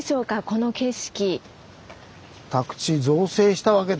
この景色。